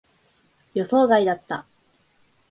予想外だった。